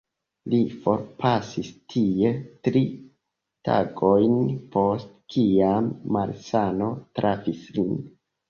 Li forpasis tie, tri tagojn post kiam malsano trafis lin.